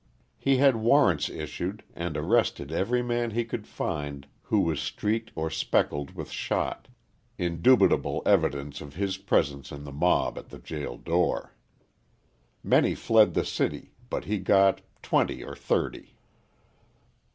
He had warrants issued and arrested every man he could find who was streaked or speckled with shot indubitable evidence of his presence in the mob at the jail door. Many fled the city, but he got twenty or thirty.